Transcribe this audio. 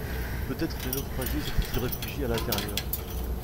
Peut-être les naufragés s’étaient-ils réfugiés à l’intérieur ?